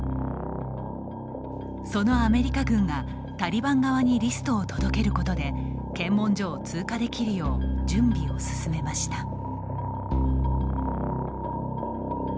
そのアメリカ軍が、タリバン側にリストを届けることで検問所を通過できるよう準備を進めました。